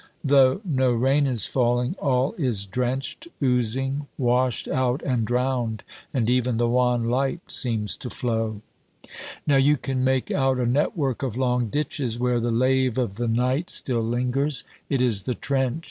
Though no rain is falling, all is drenched, oozing, washed out and drowned, and even the wan light seems to flow. Now you can make out a network of long ditches where the lave of the night still lingers. It is the trench.